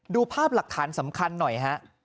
ดูภาพหลักฐานสำคัญหน่อยฮะ